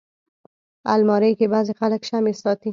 الماري کې بعضي خلک شمعې ساتي